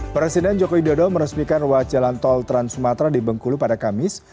presiden joko widodo meresmikan ruas jalan tol trans sumatera di bengkulu pada kamis